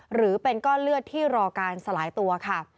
หรือเป็นก้อนเลือดที่รอการสลายตัวค่ะ